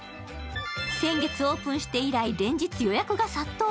先月オープンして以来連日、予約が殺到。